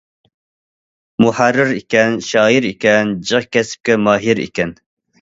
مۇھەررىر ئىكەن، شائىر ئىكەن، جىق كەسىپكە ماھىر ئىكەن.